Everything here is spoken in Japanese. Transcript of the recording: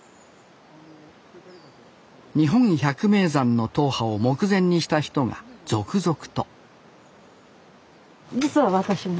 日本百名山の踏破を目前にした人が続々と実は私も。